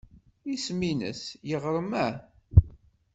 Isem-nnes yiɣrem-a?